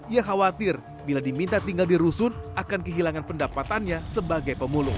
ia khawatir bila diminta tinggal di rusun akan kehilangan pendapatannya sebagai pemulung